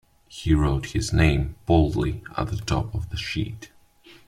He wrote his name boldly at the top of the sheet.